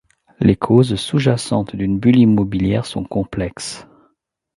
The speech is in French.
Les causes sous-jacentes d'une bulle immobilière sont complexes.